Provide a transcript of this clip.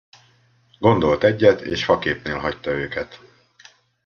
Gondolt egyet, és faképnél hagyta őket.